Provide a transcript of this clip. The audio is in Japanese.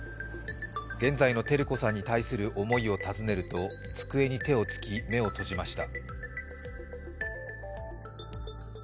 現在の照子さんに対する思いを尋ねると机に手をつき、目を閉じました。